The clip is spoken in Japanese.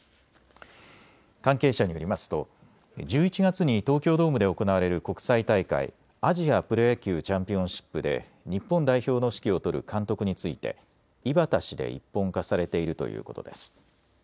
関係者によりますと１１月に東京ドームで行われる国際大会、アジアプロ野球チャンピオンシップで日本代表の指揮を執る監督について井端氏で一本化されているということです。